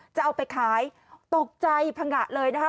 จะเอาไปขายตกใจพังงะเลยนะคะ